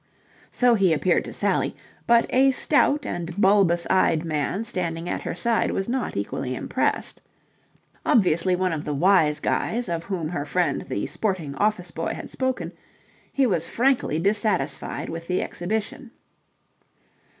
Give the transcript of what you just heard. So he appeared to Sally, but a stout and bulbous eyed man standing at her side was not equally impressed. Obviously one of the Wise Guys of whom her friend the sporting office boy had spoken, he was frankly dissatisfied with the exhibition.